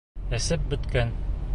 Эсеп бөткән.